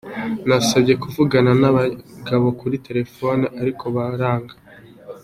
Nasabye kuvugana n’abagabo kuri telephone, ariko baranga.